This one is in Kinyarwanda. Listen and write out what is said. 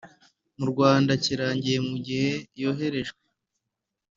mu Rwanda kirangiye mu gihe yoherejwe